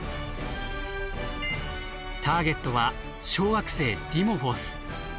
ターゲットは小惑星ディモフォス。